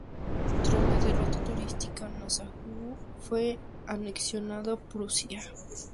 Tras la derrota austríaca, Nassau fue anexionado a Prusia.